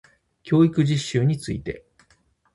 教育実習について